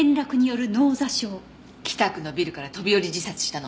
北区のビルから飛び降り自殺したの。